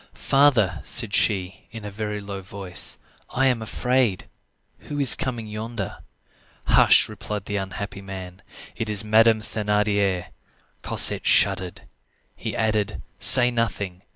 "Father," said she, in a very low voice, "I am afraid. Who is coming yonder?" "Hush!" replied the unhappy man; "it is Madame Thénardier." Cosette shuddered. He added:— "Say nothing.